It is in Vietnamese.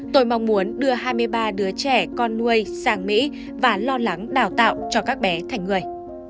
tôi mong muốn đưa hai mươi ba đứa trẻ con nuôi sang mỹ và lo lắng đào tạo cho các bé thành người